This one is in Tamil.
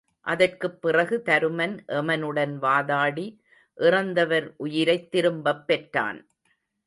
அதற்குப் பிறகு தருமன் எமனுடன் வாதாடி இறந்தவர் உயிரைத் திரும்பப் பெற்றான்.